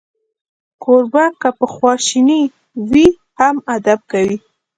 کوربه که په خواشینۍ وي، هم ادب کوي.